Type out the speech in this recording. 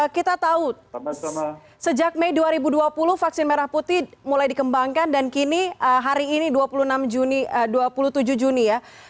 kita tahu sejak mei dua ribu dua puluh vaksin merah putih mulai dikembangkan dan kini hari ini dua puluh tujuh juni dua ribu dua puluh dua